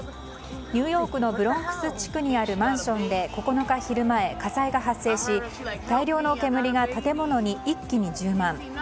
ニューヨークのブロンクス地区にあるマンションで９日昼前、火災が発生し大量の煙が建物に一気に充満。